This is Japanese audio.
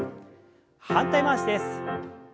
反対回しです。